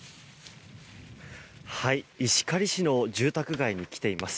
石狩市の住宅街に来ています。